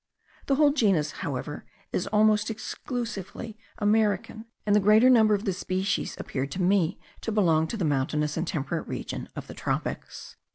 The whole genus, however, is almost exclusively American, and the greater number of the species appeared to me to belong to the mountainous and temperate region of the tropics.